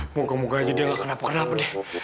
moga moga aja dia gak kena apa kenapa deh